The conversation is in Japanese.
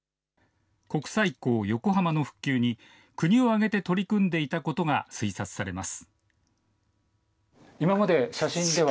国際港、横浜の復旧に、国を挙げて取り組んでいたことが推察されます。